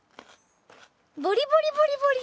ボリボリボリボリ！